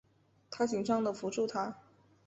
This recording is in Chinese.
她紧张的扶住她